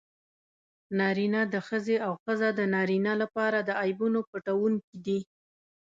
نارینه د ښځې او ښځه د نارینه لپاره د عیبونو پټوونکي دي.